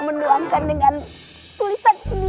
menduangkan dengan tulisan ini